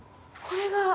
これが。